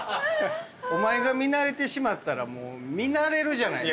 お前が見慣れてしまったらもう見慣れるじゃない！